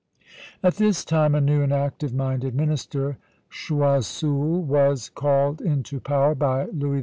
At this time a new and active minded minister, Choiseul, was called into power by Louis XV.